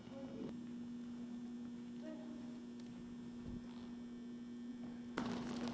สวัสดีครับทุกคน